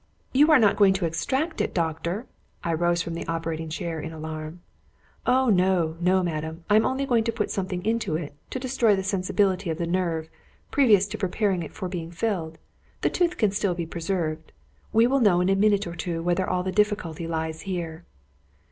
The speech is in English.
"You are not going to extract it, doctor!" I rose from the operating chair in alarm. "Oh no, no, madam! I am only going to put something into it, to destroy the sensibility of the nerve, previous to preparing it for being filled. The tooth can still be preserved. We will know in a minute or two whether all the difficulty lies here."